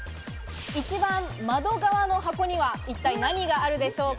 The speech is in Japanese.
一番窓側の箱には一体何があるでしょうか？